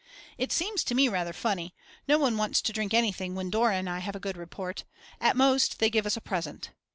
It seems to me rather funny; no one wants to drink anything when Dora and I have a good report, at most they give us a present.